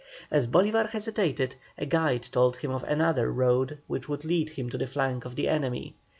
As Bolívar hesitated, a guide told him of another road which would lead him to the flank of the enemy.